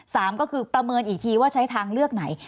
สามก็คือประเมินอีกทีว่าใช้ทางเลือกไหน